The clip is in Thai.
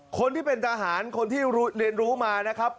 คนที่เป็นทหารคนที่เรียนรู้มานะครับ